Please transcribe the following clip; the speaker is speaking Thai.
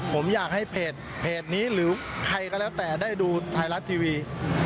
ผมอยากให้เพจนี้หรือใครก็แล้วแต่ได้ดูไทยรัฐทีวี